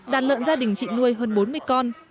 đàn lợn gia đình chị nuôi hơn bốn mươi con